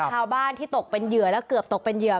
ชาวบ้านที่ตกเป็นเหยื่อแล้วเกือบตกเป็นเหยื่อ